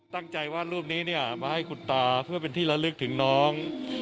ตั้งใจวาดรูปนี้เนี่ยมาให้คุณตาเพื่อเป็นที่ละลึกถึงน้อง